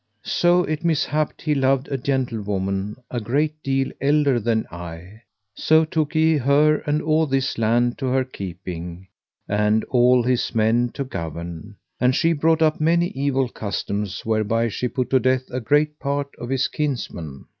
So it mishapped he loved a gentlewoman a great deal elder than I. So took he her all this land to her keeping, and all his men to govern; and she brought up many evil customs whereby she put to death a great part of his kinsmen.